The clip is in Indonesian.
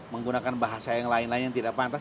menggunakan bahasa yang lain lain yang tidak pantas